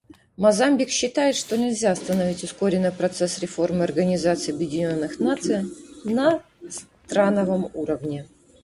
Мозамбик считает, что нельзя остановить ускоренный процесс реформы Организации Объединенных Наций на страновом уровне.